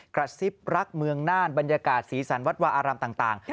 กระซิบรักเมืองน่านบรรยากาศสีสันวัดวาอารามต่าง